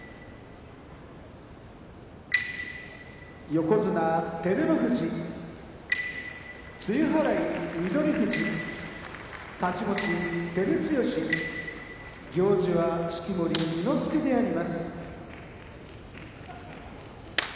横綱照ノ富士露払い翠富士太刀持ち照強行司は式守伊之助であります。